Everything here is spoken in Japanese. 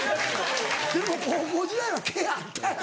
でも高校時代は毛あったやろ？